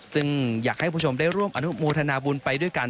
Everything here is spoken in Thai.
ซึ่งอยากให้ผู้ชมได้ร่วมอนุโมทนาบุญไปด้วยกัน